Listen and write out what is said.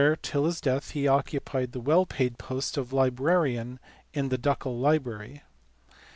361 till his death he occupied the well paid post of librarian in the ducal library.